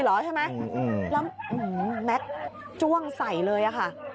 แล้วแม็กซ์จ้วงใส่เลยค่ะ